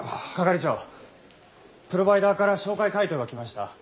係長。プロバイダーから照会回答が来ました。